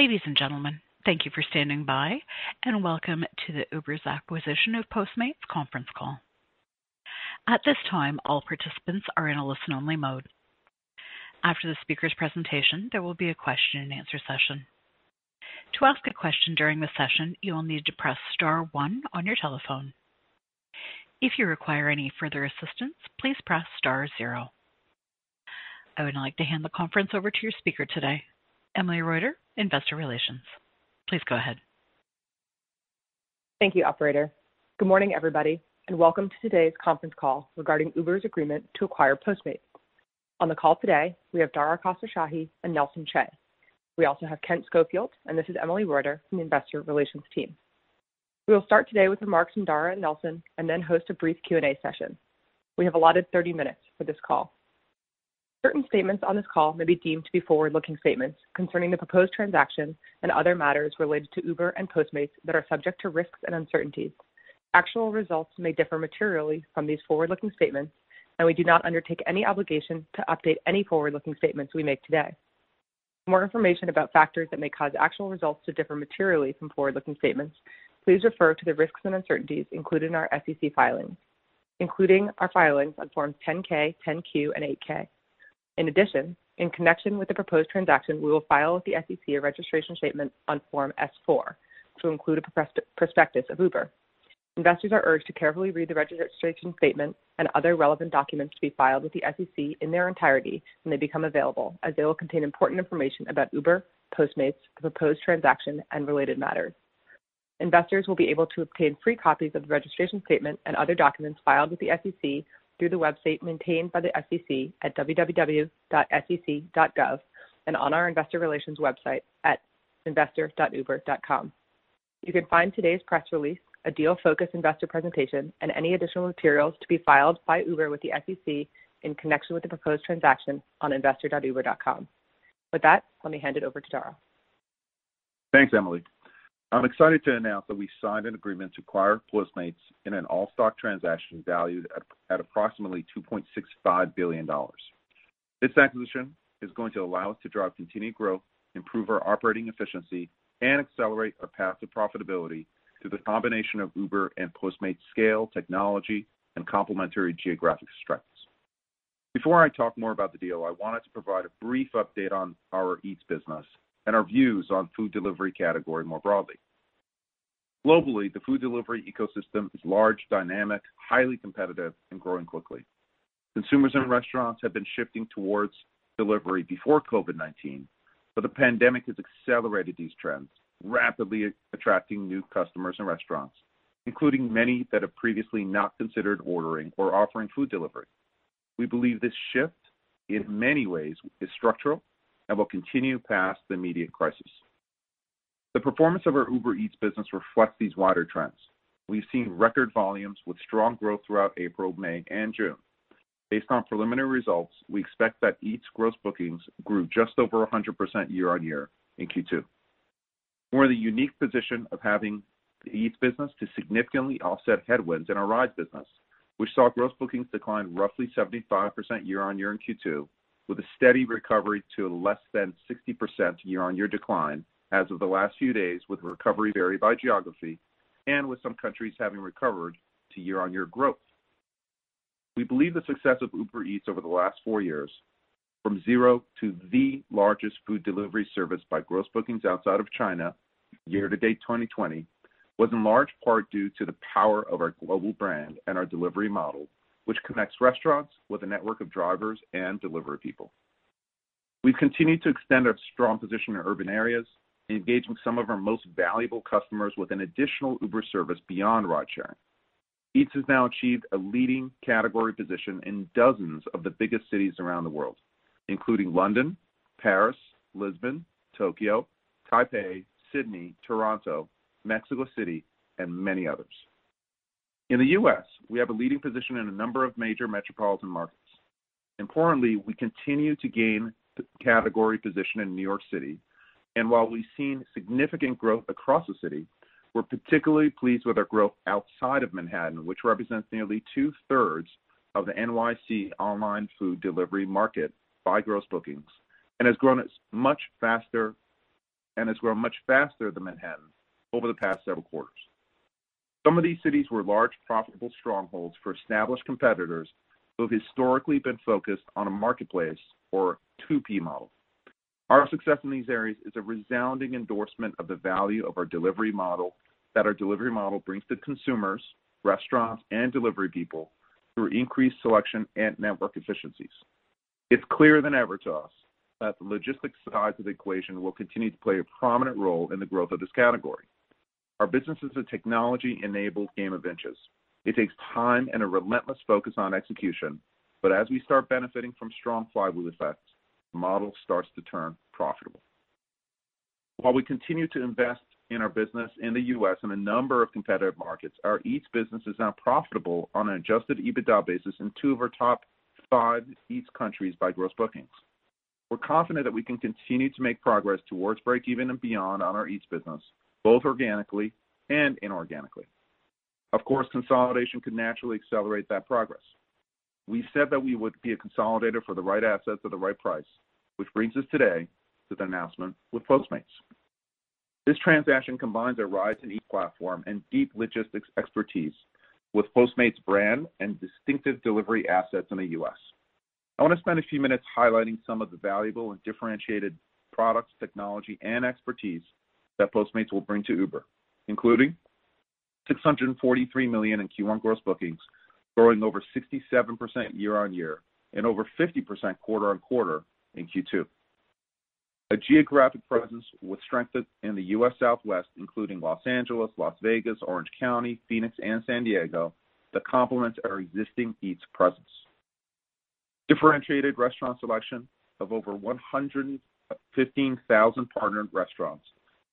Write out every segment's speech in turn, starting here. Ladies and gentlemen, thank you for standing by, and welcome to Uber's acquisition of Postmates conference call. At this time, all participants are in a listen-only mode. After the speaker's presentation, there will be a question and answer session. To ask a question during the session, you will need to press star one on your telephone. If you require any further assistance, please press star zero. I would like to hand the conference over to your speaker today, Emily Reuter, investor relations. Please go ahead. Thank you, operator. Good morning, everybody, and welcome to today's conference call regarding Uber's agreement to acquire Postmates. On the call today, we have Dara Khosrowshahi and Nelson Chai. We also have Kent Schofield, and this is Emily Reuter from the investor relations team. We will start today with remarks from Dara and Nelson and then host a brief Q&A session. We have allotted 30 minutes for this call. Certain statements on this call may be deemed to be forward-looking statements concerning the proposed transaction and other matters related to Uber and Postmates that are subject to risks and uncertainties. Actual results may differ materially from these forward-looking statements, and we do not undertake any obligation to update any forward-looking statements we make today. For more information about factors that may cause actual results to differ materially from forward-looking statements, please refer to the risks and uncertainties included in our SEC filings, including our filings on forms 10-K, 10-Q, and 8-K. In connection with the proposed transaction, we will file with the SEC a registration statement on Form S-4 to include a prospectus of Uber. Investors are urged to carefully read the registration statement and other relevant documents to be filed with the SEC in their entirety when they become available, as they will contain important information about Uber, Postmates, the proposed transaction, and related matters. Investors will be able to obtain free copies of the registration statement and other documents filed with the SEC through the website maintained by the SEC at www.sec.gov and on our investor relations website at investor.uber.com. You can find today's press release, a deal focus investor presentation, and any additional materials to be filed by Uber with the SEC in connection with the proposed transaction on investor.uber.com. With that, let me hand it over to Dara. Thanks, Emily. I'm excited to announce that we signed an agreement to acquire Postmates in an all-stock transaction valued at approximately $2.65 billion. This acquisition is going to allow us to drive continued growth, improve our operating efficiency, and accelerate our path to profitability through the combination of Uber and Postmates' scale, technology, and complementary geographic strengths. Before I talk more about the deal, I wanted to provide a brief update on our Eats business and our views on food delivery category more broadly. Globally, the food delivery ecosystem is large, dynamic, highly competitive, and growing quickly. Consumers and restaurants had been shifting towards delivery before COVID-19, but the pandemic has accelerated these trends, rapidly attracting new customers and restaurants, including many that have previously not considered ordering or offering food delivery. We believe this shift, in many ways, is structural and will continue past the immediate crisis. The performance of our Uber Eats business reflects these wider trends. We've seen record volumes with strong growth throughout April, May, and June. Based on preliminary results, we expect that Eats gross bookings grew just over 100% year-on-year in Q2. We're in the unique position of having the Eats business to significantly offset headwinds in our rides business, which saw gross bookings decline roughly 75% year-on-year in Q2 with a steady recovery to less than 60% year-on-year decline as of the last few days, with recovery vary by geography and with some countries having recovered to year-on-year growth. We believe the success of Uber Eats over the last four years, from zero to the largest food delivery service by gross bookings outside of China year to date 2020, was in large part due to the power of our global brand and our delivery model, which connects restaurants with a network of drivers and delivery people. We've continued to extend our strong position in urban areas and engage with some of our most valuable customers with an additional Uber service beyond ridesharing. Eats has now achieved a leading category position in dozens of the biggest cities around the world, including London, Paris, Lisbon, Tokyo, Taipei, Sydney, Toronto, Mexico City, and many others. In the U.S., we have a leading position in a number of major metropolitan markets. Importantly, we continue to gain category position in New York City, and while we've seen significant growth across the city, we're particularly pleased with our growth outside of Manhattan, which represents nearly two-thirds of the NYC online food delivery market by gross bookings and has grown much faster than Manhattan over the past several quarters. Some of these cities were large, profitable strongholds for established competitors who have historically been focused on a marketplace or 2P model. Our success in these areas is a resounding endorsement of the value of our delivery model that our delivery model brings to consumers, restaurants, and delivery people through increased selection and network efficiencies. It's clearer than ever to us that the logistics side of the equation will continue to play a prominent role in the growth of this category. Our business is a technology-enabled game of inches. It takes time and a relentless focus on execution, but as we start benefiting from strong flywheel effects, the model starts to turn profitable. While we continue to invest in our business in the U.S. and a number of competitive markets, our Eats business is now profitable on an adjusted EBITDA basis in two of our top five Eats countries by gross bookings. We're confident that we can continue to make progress towards breakeven and beyond on our Eats business, both organically and inorganically. Of course, consolidation could naturally accelerate that progress. We said that we would be a consolidator for the right assets at the right price, which brings us today to the announcement with Postmates. This transaction combines a rides and Eats platform and deep logistics expertise with Postmates' brand and distinctive delivery assets in the U.S. I want to spend a few minutes highlighting some of the valuable and differentiated products, technology, and expertise that Postmates will bring to Uber, including $643 million in Q1 gross bookings, growing over 67% year-on-year and over 50% quarter-on-quarter in Q2. A geographic presence with strength in the U.S. Southwest, including Los Angeles, Las Vegas, Orange County, Phoenix, and San Diego, that complements our existing Eats presence. Differentiated restaurant selection of over 115,000 partnered restaurants,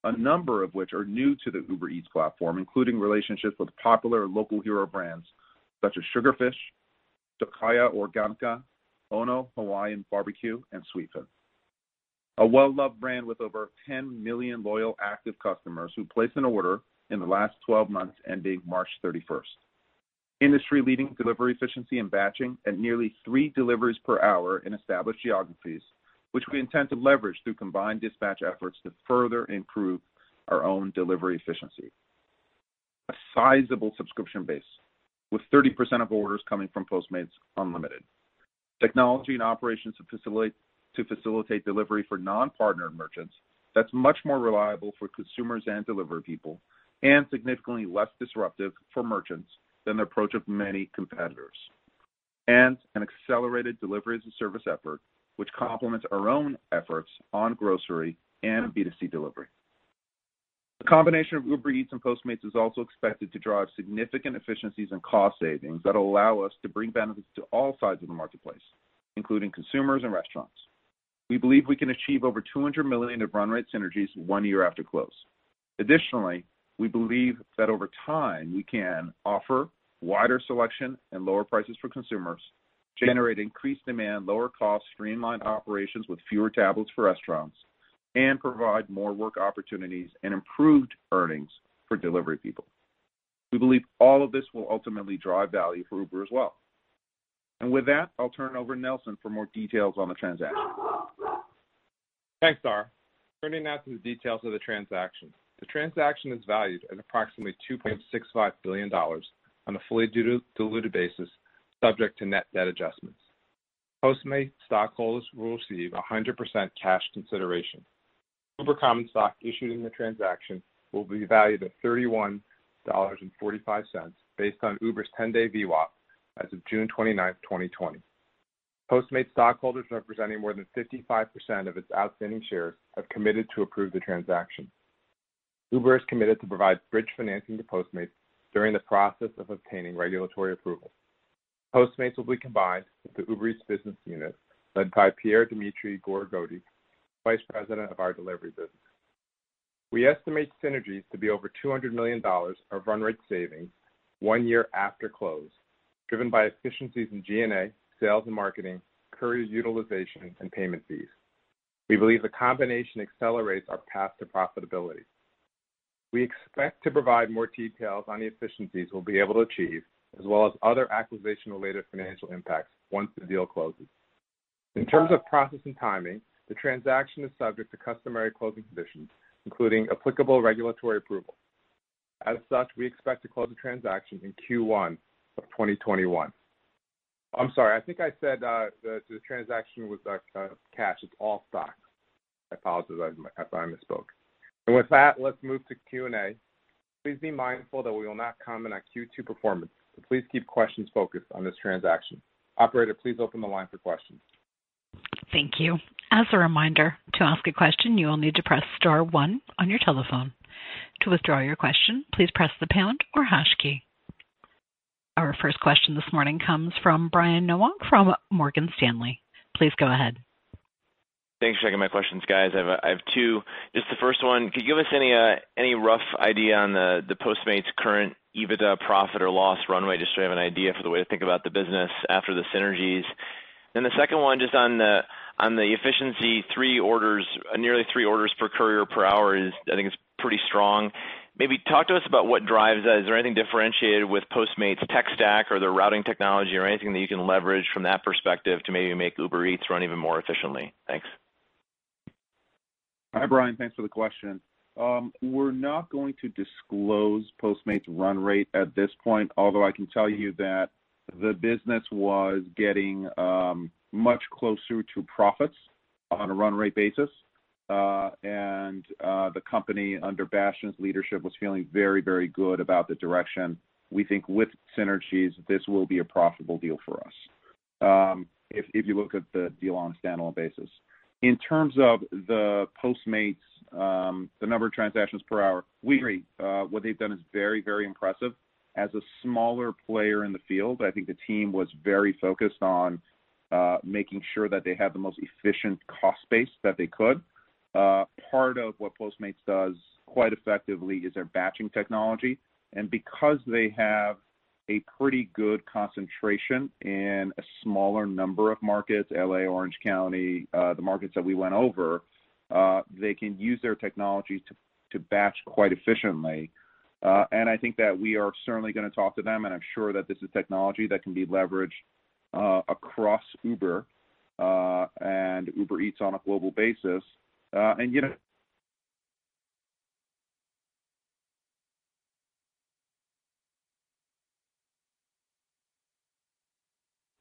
a number of which are new to the Uber Eats platform, including relationships with popular local hero brands such as SUGARFISH, Tocaya, Ono Hawaiian BBQ, and sweetgreen. A well-loved brand with over 10 million loyal active customers who placed an order in the last 12 months ending March 31st. Industry-leading delivery efficiency and batching at nearly three deliveries per hour in established geographies, which we intend to leverage through combined dispatch efforts to further improve our own delivery efficiency. A sizable subscription base with 30% of orders coming from Postmates Unlimited. Technology and operations to facilitate delivery for non-partner merchants that's much more reliable for consumers and delivery people, and significantly less disruptive for merchants than the approach of many competitors. An accelerated delivery as a service effort, which complements our own efforts on grocery and B2C delivery. The combination of Uber Eats and Postmates is also expected to drive significant efficiencies and cost savings that allow us to bring benefits to all sides of the marketplace, including consumers and restaurants. We believe we can achieve over $200 million of run rate synergies one year after close. Additionally, we believe that over time, we can offer wider selection and lower prices for consumers, generate increased demand, lower costs, streamline operations with fewer tablets for restaurants, and provide more work opportunities and improved earnings for delivery people. We believe all of this will ultimately drive value for Uber as well. With that, I'll turn it over to Nelson for more details on the transaction. Thanks, Dara. Turning now to the details of the transaction. The transaction is valued at approximately $2.65 billion on a fully diluted basis, subject to net debt adjustments. Postmates stockholders will receive 100% cash consideration. Uber common stock issued in the transaction will be valued at $31.45, based on Uber's 10-day VWAP as of June 29th, 2020. Postmates stockholders representing more than 55% of its outstanding shares have committed to approve the transaction. Uber is committed to provide bridge financing to Postmates during the process of obtaining regulatory approval. Postmates will be combined with the Uber Eats business unit led by Pierre-Dimitri Gore-Coty, vice president of our delivery business. We estimate synergies to be over $200 million of run rate savings one year after close, driven by efficiencies in G&A, sales and marketing, courier utilization, and payment fees. We believe the combination accelerates our path to profitability. We expect to provide more details on the efficiencies we'll be able to achieve as well as other acquisition-related financial impacts once the deal closes. In terms of process and timing, the transaction is subject to customary closing conditions, including applicable regulatory approval. As such, we expect to close the transaction in Q1 of 2021. I'm sorry, I think I said, the transaction was cash. It's all stock. I apologize if I misspoke. With that, let's move to Q&A. Please be mindful that we will not comment on Q2 performance, so please keep questions focused on this transaction. Operator, please open the line for questions. Thank you. As a reminder, to ask a question, you will need to press star one on your telephone. To withdraw your question, please press the pound or hash key. Our first question this morning comes from Brian Nowak from Morgan Stanley. Please go ahead. Thanks for taking my questions, guys. I have two. Just the first one, could you give us any rough idea on the Postmates current EBITDA profit or loss runway, just so we have an idea for the way to think about the business after the synergies? The second one, just on the efficiency, nearly three orders per courier per hour is, I think is pretty strong. Maybe talk to us about what drives that. Is there anything differentiated with Postmates tech stack or their routing technology or anything that you can leverage from that perspective to maybe make Uber Eats run even more efficiently? Thanks. Hi, Brian. Thanks for the question. We're not going to disclose Postmates' run rate at this point, although I can tell you that the business was getting much closer to profits on a run rate basis. The company, under Bastian's leadership, was feeling very good about the direction. We think with synergies, this will be a profitable deal for us, if you look at the deal on a standalone basis. In terms of the Postmates, the number of transactions per hour, we agree. What they've done is very impressive. As a smaller player in the field, I think the team was very focused on making sure that they had the most efficient cost base that they could. Part of what Postmates does quite effectively is their batching technology. Because they have a pretty good concentration in a smaller number of markets, L.A., Orange County, the markets that we went over, they can use their technology to batch quite efficiently. I think that we are certainly going to talk to them, and I'm sure that this is technology that can be leveraged across Uber and Uber Eats on a global basis.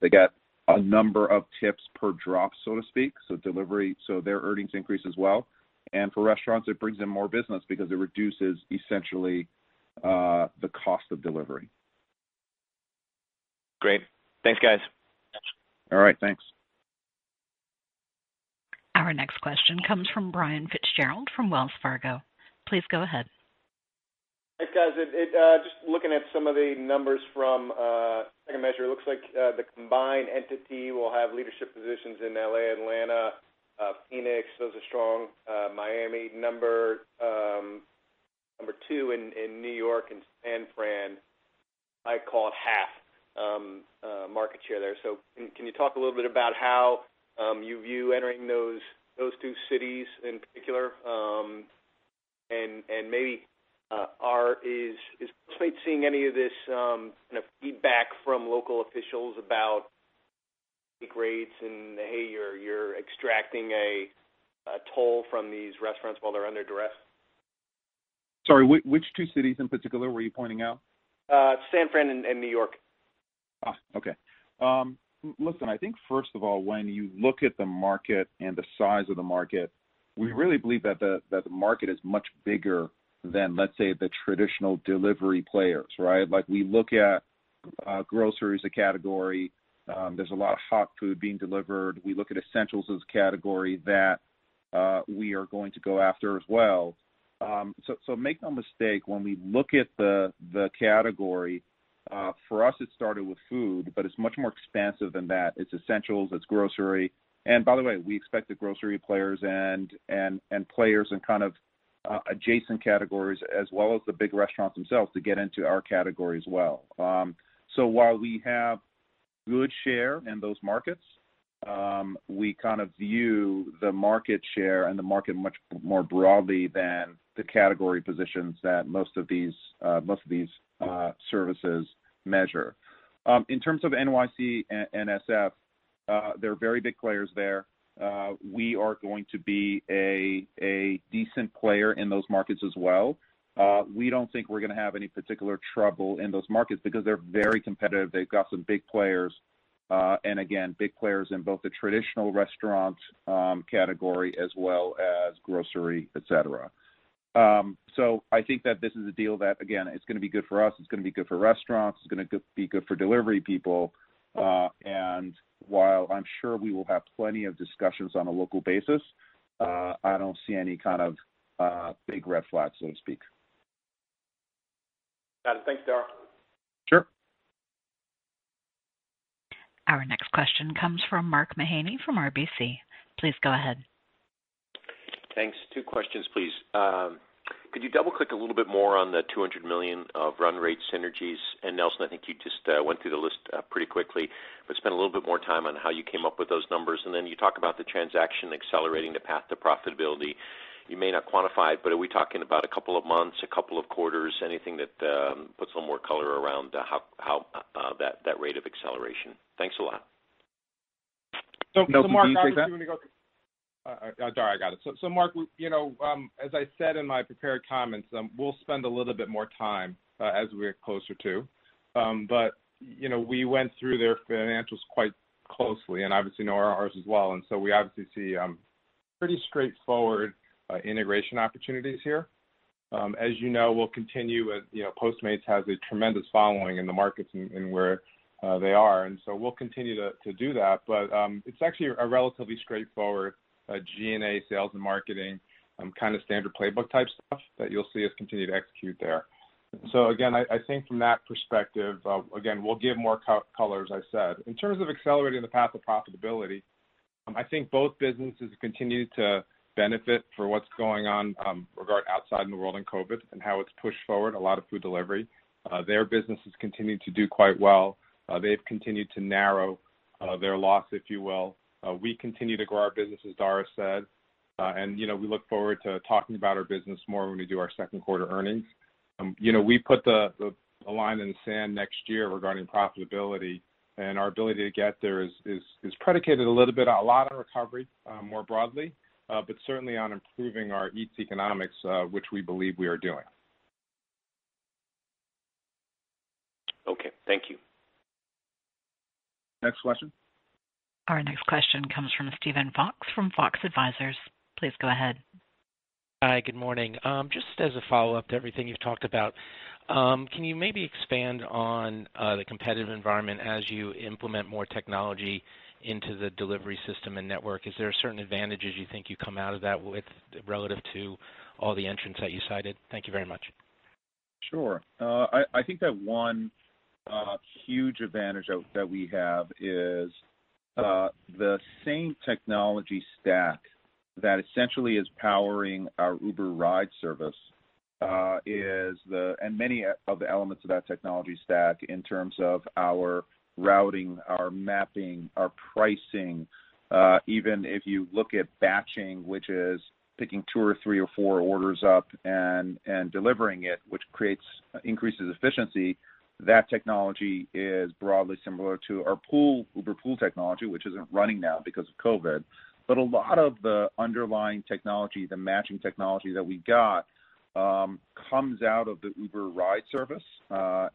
They get a number of tips per drop, so to speak, so their earnings increase as well. For restaurants, it brings in more business because it reduces essentially, the cost of delivery. Great. Thanks, guys. All right, thanks. Our next question comes from Brian Fitzgerald from Wells Fargo. Please go ahead. Hey, guys. Just looking at some of the numbers from Second Measure, it looks like the combined entity will have leadership positions in L.A., Atlanta, Phoenix. Those are strong. Miami, number 2 in New York and San Fran, I call it half market share there. Can you talk a little bit about how you view entering those two cities in particular? Maybe, is Postmates seeing any of this feedback from local officials about the rates and, "Hey, you're extracting a toll from these restaurants while they're under duress? Sorry, which two cities in particular were you pointing out? San Fran and New York. Listen, I think first of all, when you look at the market and the size of the market, we really believe that the market is much bigger than, let's say, the traditional delivery players, right? We look at groceries, a category. There's a lot of hot food being delivered. We look at essentials as a category that we are going to go after as well. Make no mistake, when we look at the category, for us, it started with food, but it's much more expansive than that. It's essentials, it's grocery. By the way, we expect the grocery players and players in kind of adjacent categories, as well as the big restaurants themselves, to get into our category as well. While we have good share in those markets, we kind of view the market share and the market much more broadly than the category positions that most of these services measure. In terms of NYC and SF, they're very big players there. We are going to be a decent player in those markets as well. We don't think we're going to have any particular trouble in those markets because they're very competitive. They've got some big players, and again, big players in both the traditional restaurant category as well as grocery, et cetera. I think that this is a deal that, again, it's going to be good for us. It's going to be good for restaurants. It's going to be good for delivery people. While I'm sure we will have plenty of discussions on a local basis, I don't see any kind of big red flags, so to speak. Got it. Thanks, Dara. Sure. Our next question comes from Mark Mahaney from RBC. Please go ahead. Thanks. Two questions, please. Could you double-click a little bit more on the $200 million of run rate synergies? Nelson, I think you just went through the list pretty quickly, but spend a little bit more time on how you came up with those numbers. You talk about the transaction accelerating the path to profitability. You may not quantify it, but are we talking about a couple of months, a couple of quarters? Anything that puts some more color around that rate of acceleration. Thanks a lot. Mark. Nelson, can you take that? Dara, I got it. Mark, as I said in my prepared comments, we'll spend a little bit more time as we are closer to. We went through their financials quite closely and obviously know ours as well, and so we obviously see pretty straightforward integration opportunities here. As you know, we'll continue with, Postmates has a tremendous following in the markets in where they are, and so we'll continue to do that. It's actually a relatively straightforward G&A sales and marketing kind of standard playbook type stuff that you'll see us continue to execute there. Again, I think from that perspective, again, we'll give more color, as I said. In terms of accelerating the path of profitability, I think both businesses continue to benefit for what's going on regard outside in the world and COVID and how it's pushed forward a lot of food delivery. Their business has continued to do quite well. They've continued to narrow their loss, if you will. We continue to grow our business, as Dara said. We look forward to talking about our business more when we do our second quarter earnings. We put a line in the sand next year regarding profitability, and our ability to get there is predicated a little bit, a lot on recovery, more broadly, but certainly on improving our Eats economics, which we believe we are doing. Okay. Thank you. Next question. Our next question comes from Steven Fox from Fox Advisors. Please go ahead. Hi, good morning. Just as a follow-up to everything you've talked about, can you maybe expand on the competitive environment as you implement more technology into the delivery system and network? Is there certain advantages you think you come out of that with relative to all the entrants that you cited? Thank you very much. Sure. I think that one huge advantage that we have is the same technology stack that essentially is powering our Uber Ride service, and many of the elements of that technology stack in terms of our routing, our mapping, our pricing, even if you look at batching, which is picking two or three or four orders up and delivering it, which increases efficiency, that technology is broadly similar to our Uber Pool technology, which isn't running now because of COVID. A lot of the underlying technology, the matching technology that we got, comes out of the Uber Ride service,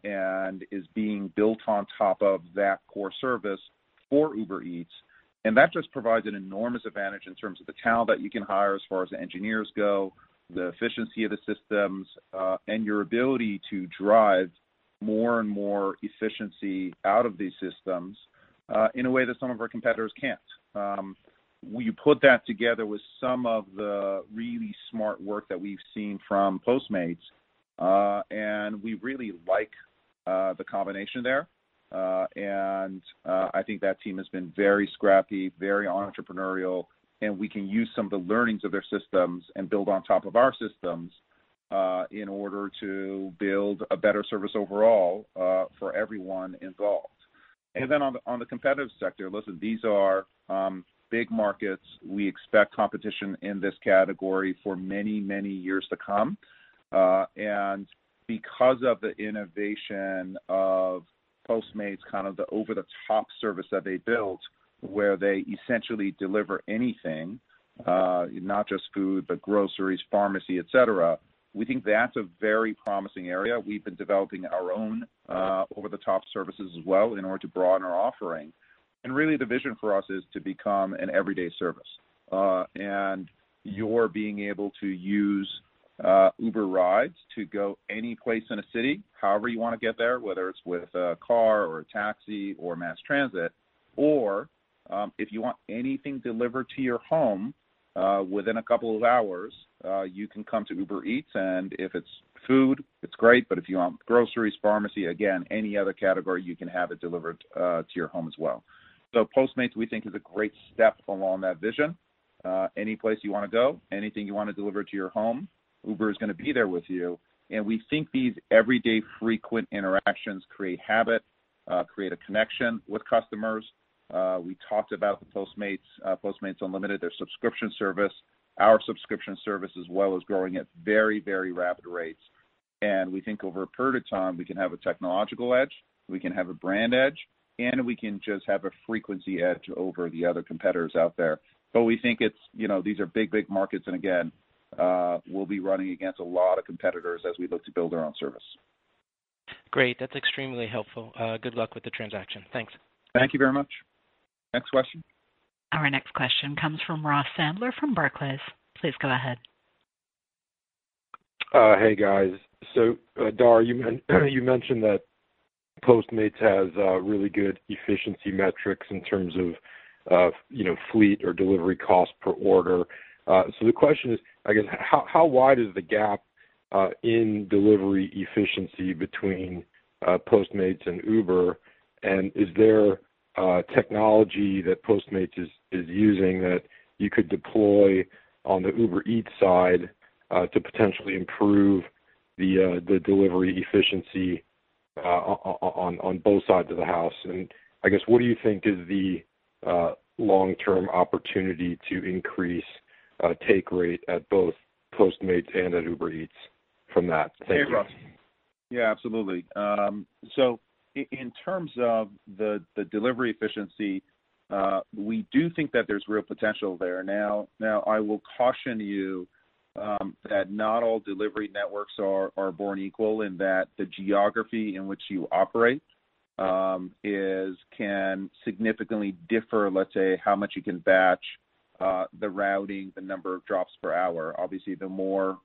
and is being built on top of that core service for Uber Eats. That just provides an enormous advantage in terms of the talent that you can hire as far as the engineers go, the efficiency of the systems, and your ability to drive more and more efficiency out of these systems in a way that some of our competitors can't. You put that together with some of the really smart work that we've seen from Postmates, we really like the combination there. I think that team has been very scrappy, very entrepreneurial, and we can use some of the learnings of their systems and build on top of our systems, in order to build a better service overall, for everyone involved. On the competitive sector, listen, these are big markets. We expect competition in this category for many many years to come. Because of the innovation of Postmates, kind of the over-the-top service that they built, where they essentially deliver anything, not just food, but groceries, pharmacy, et cetera, we think that's a very promising area. We've been developing our own over-the-top services as well in order to broaden our offering. Really, the vision for us is to become an everyday service. Your being able to use Uber Rides to go anyplace in a city, however you want to get there, whether it's with a car or a taxi or mass transit. If you want anything delivered to your home, within a couple of hours, you can come to Uber Eats, and if it's food, it's great, but if you want groceries, pharmacy, again, any other category, you can have it delivered to your home as well. Postmates, we think, is a great step along that vision. Any place you want to go, anything you want delivered to your home, Uber is going to be there with you. We think these everyday frequent interactions create habit, create a connection with customers. We talked about the Postmates Unlimited, their subscription service. Our subscription service, as well, is growing at very, very rapid rates. We think over a period of time, we can have a technological edge, we can have a brand edge, and we can just have a frequency edge over the other competitors out there. We think these are big, big markets and again, we'll be running against a lot of competitors as we look to build our own service. Great. That's extremely helpful. Good luck with the transaction. Thanks. Thank you very much. Next question. Our next question comes from Ross Sandler from Barclays. Please go ahead. Hey, guys. Dara, you mentioned that Postmates has really good efficiency metrics in terms of fleet or delivery cost per order. The question is, I guess, how wide is the gap in delivery efficiency between Postmates and Uber? Is there technology that Postmates is using that you could deploy on the Uber Eats side to potentially improve the delivery efficiency on both sides of the house? I guess, what do you think is the long-term opportunity to increase take rate at both Postmates and at Uber Eats from that? Thank you. Hey, Ross. Yeah, absolutely. So in terms of the delivery efficiency, we do think that there's real potential there. Now, I will caution you that not all delivery networks are born equal in that the geography in which you operate can significantly differ, let's say, how much you can batch, the routing, the number of drops per hour. Obviously, the more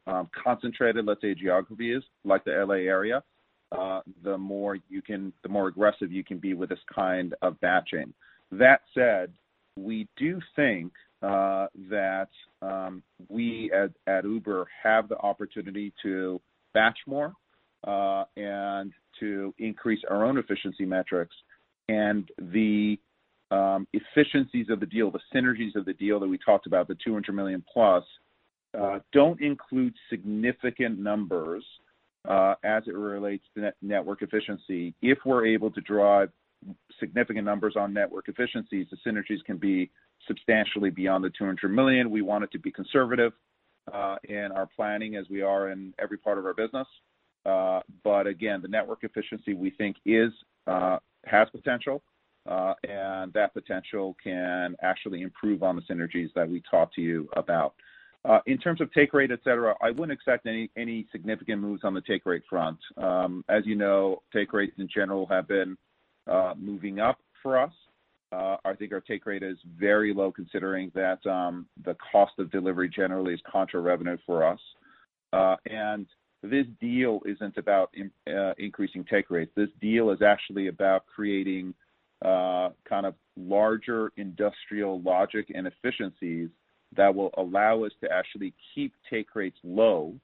concentrated, let's say, a geography is, like the L.A. area, the more aggressive you can be with this kind of batching. That said, we do think that we at Uber have the opportunity to batch more, and to increase our own efficiency metrics and the efficiencies of the deal, the synergies of the deal that we talked about, the $200 million plus, don't include significant numbers as it relates to network efficiency. If we're able to drive significant numbers on network efficiencies, the synergies can be substantially beyond the $200 million. We wanted to be conservative in our planning as we are in every part of our business. Again, the network efficiency we think has potential, and that potential can actually improve on the synergies that we talked to you about. In terms of take rate, et cetera, I wouldn't expect any significant moves on the take rate front. As you know, take rates in general have been moving up for us. I think our take rate is very low considering that the cost of delivery generally is contra revenue for us. This deal isn't about increasing take rates. This deal is actually about creating kind of larger industrial logic and efficiencies that will allow us to actually keep take rates low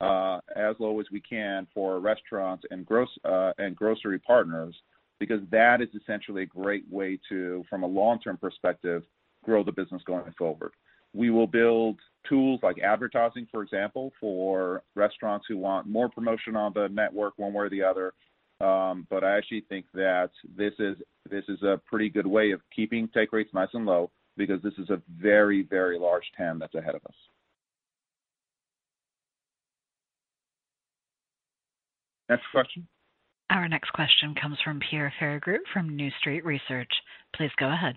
as low as we can for restaurants and grocery partners, because that is essentially a great way to, from a long-term perspective, grow the business going forward. We will build tools like advertising, for example, for restaurants who want more promotion on the network one way or the other. I actually think that this is a pretty good way of keeping take rates nice and low, because this is a very large TAM that's ahead of us. Next question? Our next question comes from Pierre Ferragu from New Street Research. Please go ahead.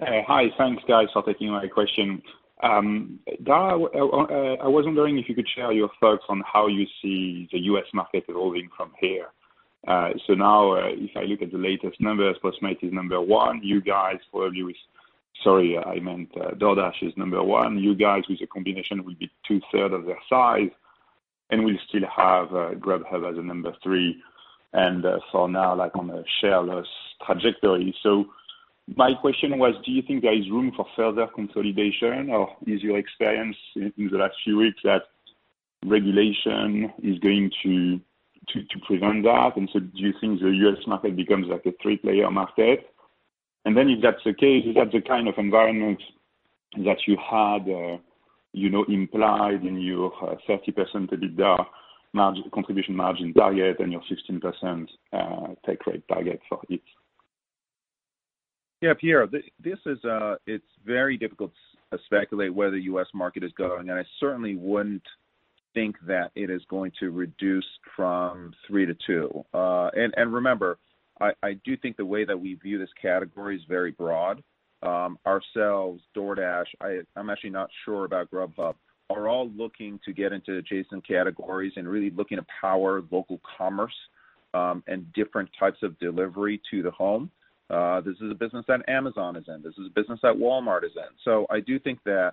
Hi. Thanks, guys, for taking my question. Dara, I was wondering if you could share your thoughts on how you see the U.S. market evolving from here. If I look at the latest numbers, Postmates is number one. Sorry, I meant DoorDash is number one. You guys, with a combination, will be two-third of their size, and we still have Grubhub as a number three. On a share loss trajectory. My question was, do you think there is room for further consolidation, or is your experience in the last few weeks that regulation is going to prevent that? Do you think the U.S. market becomes like a three-player market? If that's the case, is that the kind of environment that you had implied in your 30% EBITDA contribution margin target and your 16% take rate target for it? Yeah, Pierre. It's very difficult to speculate where the U.S. market is going, I certainly wouldn't think that it is going to reduce from three to two. Remember, I do think the way that we view this category is very broad. Ourselves, DoorDash, I'm actually not sure about Grubhub, are all looking to get into adjacent categories and really looking to power local commerce, and different types of delivery to the home. This is a business that Amazon is in. This is a business that Walmart is in. I do think that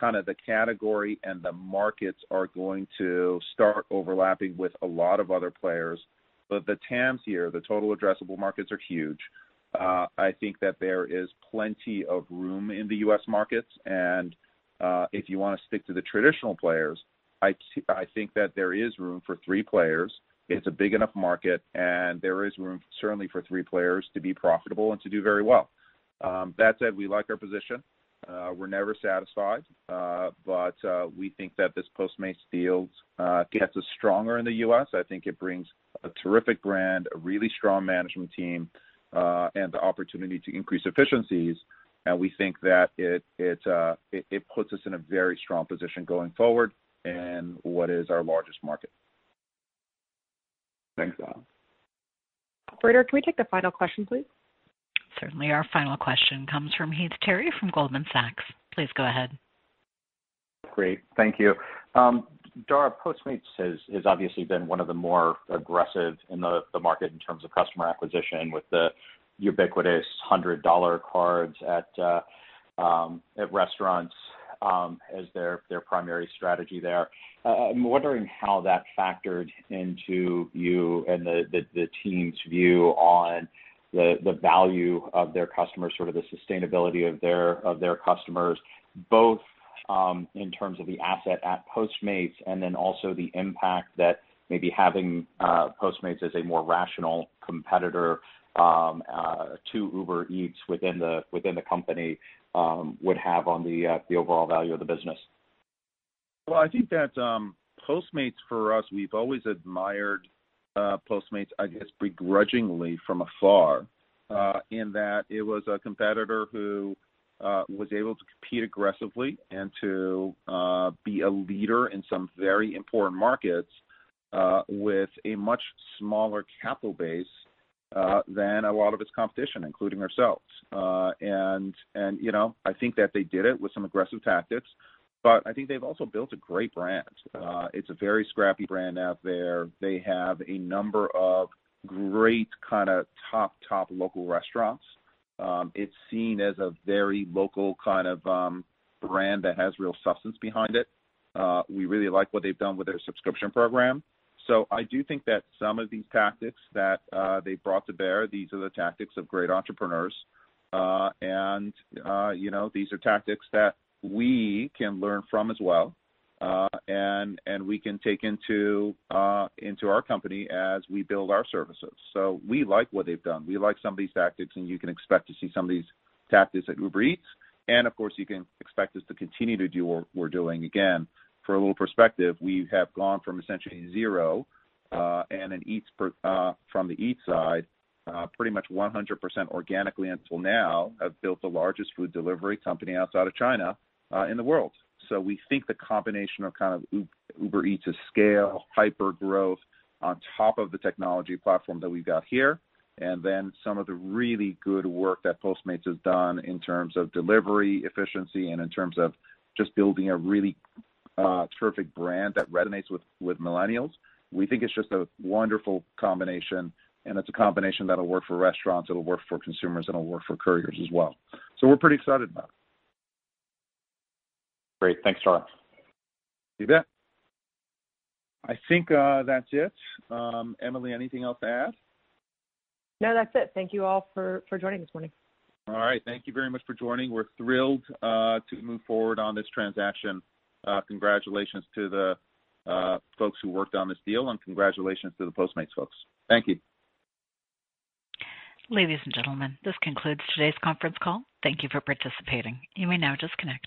the category and the markets are going to start overlapping with a lot of other players. The TAMs here, the total addressable markets, are huge. I think that there is plenty of room in the U.S. markets. If you want to stick to the traditional players, I think that there is room for three players. It's a big enough market, and there is room, certainly, for three players to be profitable and to do very well. That said, we like our position. We're never satisfied. We think that this Postmates deal gets us stronger in the U.S. I think it brings a terrific brand, a really strong management team, and the opportunity to increase efficiencies. We think that it puts us in a very strong position going forward in what is our largest market. Thanks, Dara. Operator, can we take the final question, please? Certainly. Our final question comes from Heath Terry from Goldman Sachs. Please go ahead. Great. Thank you. Dara, Postmates has obviously been one of the more aggressive in the market in terms of customer acquisition, with the ubiquitous $100 cards at restaurants as their primary strategy there. I'm wondering how that factored into you and the team's view on the value of their customers, sort of the sustainability of their customers, both, in terms of the asset at Postmates and then also the impact that maybe having Postmates as a more rational competitor to Uber Eats within the company would have on the overall value of the business. I think that Postmates, for us, we've always admired Postmates, I guess, begrudgingly from afar, in that it was a competitor who was able to compete aggressively and to be a leader in some very important markets with a much smaller capital base than a lot of its competition, including ourselves. I think that they did it with some aggressive tactics, but I think they've also built a great brand. It's a very scrappy brand out there. They have a number of great kind of top local restaurants. It's seen as a very local kind of brand that has real substance behind it. We really like what they've done with their subscription program. I do think that some of these tactics that they brought to bear, these are the tactics of great entrepreneurs. These are tactics that we can learn from as well, and we can take into our company as we build our services. We like what they've done. We like some of these tactics, and you can expect to see some of these tactics at Uber Eats. Of course, you can expect us to continue to do what we're doing. Again, for a little perspective, we have gone from essentially zero, and from the Eats side, pretty much 100% organically until now, have built the largest food delivery company outside of China, in the world. We think the combination of kind of Uber Eats' scale, hyper growth on top of the technology platform that we've got here, and then some of the really good work that Postmates has done in terms of delivery efficiency and in terms of just building a really terrific brand that resonates with millennials. We think it's just a wonderful combination, and it's a combination that'll work for restaurants, it'll work for consumers, and it'll work for couriers as well. We're pretty excited about it. Great. Thanks, Dara. You bet. I think that's it. Emily, anything else to add? No, that's it. Thank you all for joining this morning. All right. Thank you very much for joining. We're thrilled to move forward on this transaction. Congratulations to the folks who worked on this deal, and congratulations to the Postmates folks. Thank you. Ladies and gentlemen, this concludes today's conference call. Thank you for participating. You may now disconnect.